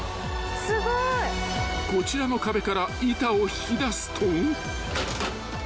［こちらの壁から板を引き出すと］